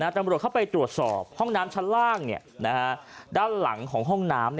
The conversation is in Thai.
ตำรวจเข้าไปตรวจสอบห้องน้ำชั้นล่างด้านหลังของห้องน้ำ